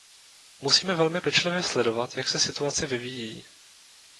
Musíme velmi pečlivě sledovat, jak se situace vyvíjí.